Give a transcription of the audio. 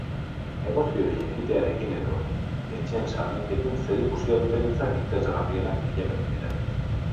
Negozioei ekitearekin edo etxeen salmentekin zerikusia duten hitzak interesgarrienak bilakatu dira.